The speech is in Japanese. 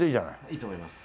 いいと思います。